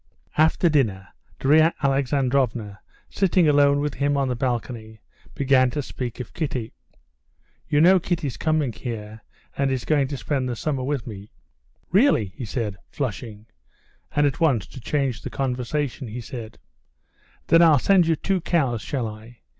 After dinner, Darya Alexandrovna, sitting alone with him on the balcony, began to speak of Kitty. "You know, Kitty's coming here, and is going to spend the summer with me." "Really," he said, flushing, and at once, to change the conversation, he said: "Then I'll send you two cows, shall I?